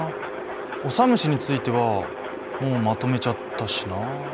オサムシについてはもうまとめちゃったしなあ。